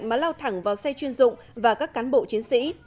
mà lao thẳng vào xe chuyên dụng và các cán bộ chiến sĩ